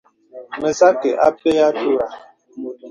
Mə̀ sə̄ akɛ̄ apɛ àturə.